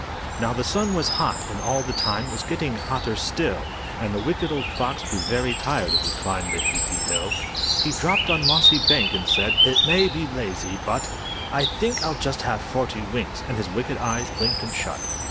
Now the sun was hot, and all the time It was getting hotter still; And the Wicked Old Fox grew very tired As he climbed the heathy hill. He dropped on mossy bank, and said "It may be lazy but I think I'll just have forty winks," And his wicked eyes blinked and shut.